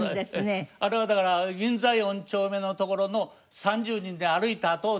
あれはだから銀座４丁目の所の３０人で歩いたあとをちょっと。